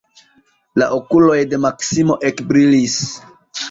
La okuloj de Maksimo ekbrilis.